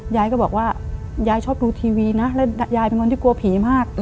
ยายก็บอกว่ายายชอบดูทีวีนะแล้วยายเป็นคนที่กลัวผีมาก